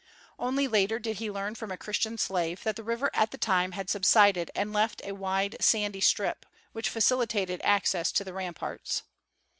Only later did he learn from a Christian slave that the river at that time had subsided and left a wide sandy strip, which facilitated access to the ramparts.